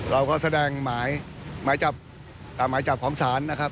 เราก็แสดงหมายจับหมายจับของศาลนะครับ